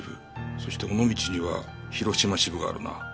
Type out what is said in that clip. そして尾道には広島支部があるな。